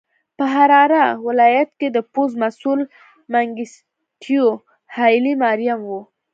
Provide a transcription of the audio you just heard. په حراره ولایت کې د پوځ مسوول منګیسټیو هایلي ماریم و.